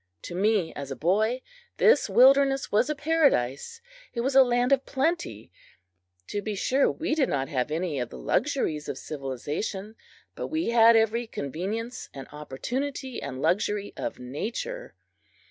To me, as a boy, this wilderness was a paradise. It was a land of plenty. To be sure, we did not have any of the luxuries of civilization, but we had every convenience and opportunity and luxury of Nature.